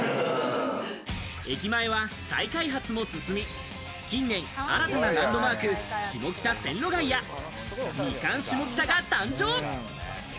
駅前は再開発も進み、近年、新たなランドマーク・下北線路街や、ミカン下北が誕生。